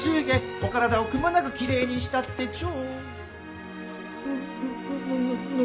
お体をくまなくきれいにしたってちょ。